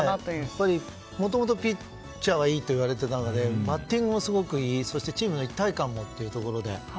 やっぱりもともとピッチャーがいいといわれていたのでバッティングもすごくいいそしてチームの一体感もということで。